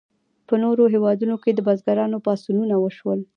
په نورو هیوادونو کې د بزګرانو پاڅونونه وشول.